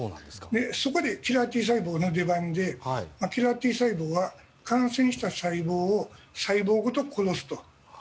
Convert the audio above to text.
そこで、キラーＴ細胞の出番でキラーＴ細胞は感染した細胞を細胞ごと殺すと。